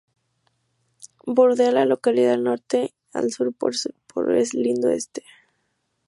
Bordea la localidad de norte a sur por el linde este.